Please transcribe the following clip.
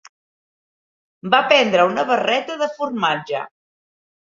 Va prendre una barreta de formatge.